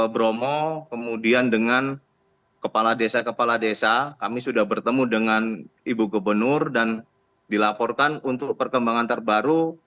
bromo kemudian dengan kepala desa kepala desa kami sudah bertemu dengan ibu gubernur dan dilaporkan untuk perkembangan terbaru